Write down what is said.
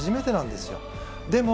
でも